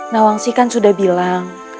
nawang sih kan sudah bilang